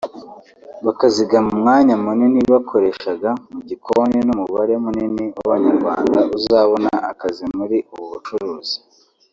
bakazigama umwanya munini bakoreshaga mu gikoni n’ umubare munini w’Abanyarwanda uzabona akazi muri ubu bucuruzi